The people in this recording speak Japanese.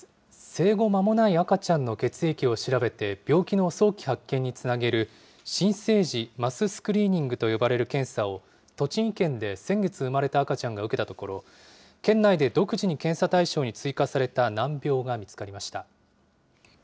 生後まもない赤ちゃんの血液を調べて、病気の早期発見につなげる、新生児マススクリーニングと呼ばれる検査を、栃木県で先月生まれた赤ちゃんが受けたところ、県内で独自に検査対象に追加された難病が見つかりました。